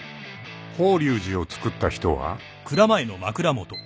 法隆寺を造った人は？］